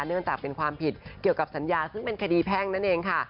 เนื่องจากเป็นความผิดเกี่ยวกับสัญญาซึ่งเป็นคดีแพ่งนั่นเองค่ะ